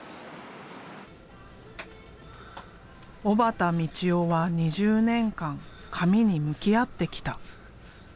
小幡海知生は２０年間紙に向き合ってきた。